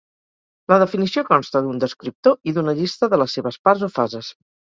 La definició consta d'un descriptor i d'una llista de les seves parts o fases.